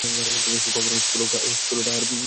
সূক্ষ্ম কারণ, স্থূল তাহার কার্য।